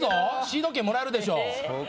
シード権もらえるでしょ。